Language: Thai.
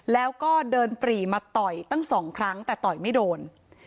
แล้วก็เดินปรีมาต่อยตั้งสองครั้งแต่ต่อยไม่โดน